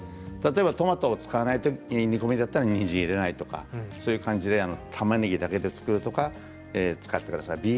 例えば、トマトを使わない煮込みだったらにんじんは入れないとかそういう感じでたまねぎだけで作るとか使ってください。